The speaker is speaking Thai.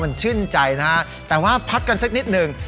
มันชื่นใจนะฮะแต่ว่าพักกันสักนิดหนึ่ง